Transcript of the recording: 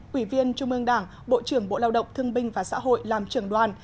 quỷ viên trung ương đảng bộ trưởng bộ lao động thương binh và xã hội làm trưởng đoàn